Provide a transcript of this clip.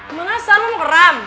emang asal lu mau keram